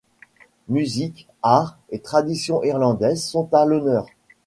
Musique, arts, et traditions irlandaises sont à l’honneur.